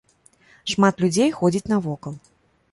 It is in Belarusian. Шмат людзей ходзіць навокал.